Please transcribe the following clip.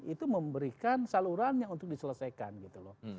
itu memberikan saluran yang untuk diselesaikan gitu loh